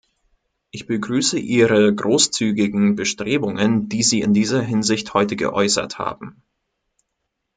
Ich begrüße Ihre großzügigen Bestrebungen, die Sie in dieser Hinsicht heute geäußert haben.